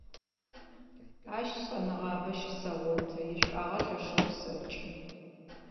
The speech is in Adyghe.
Ащ шӀэныгъабэ щысэгъоты, ишӀуагъэ лъэшэу къысэкӀы.